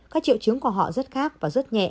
các triệu chứng của họ rất khác và rất nhẹ